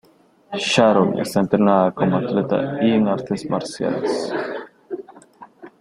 Sharon está entrenada como atleta y en artes marciales.